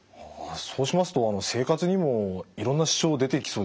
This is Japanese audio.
そうしますと生活にもいろんな支障出てきそうですね。